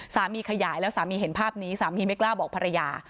ขยายแล้วสามีเห็นภาพนี้สามีไม่กล้าบอกภรรยา